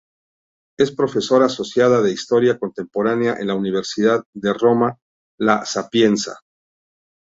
Es profesora asociada de historia contemporánea en la Universidad de Roma La Sapienza.